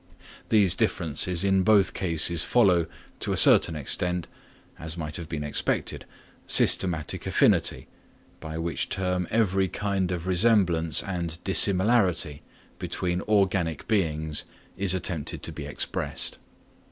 These differences in both cases follow, to a certain extent, as might have been expected, systematic affinity, by which term every kind of resemblance and dissimilarity between organic beings is attempted to be expressed.